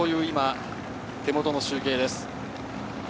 手元の集計です。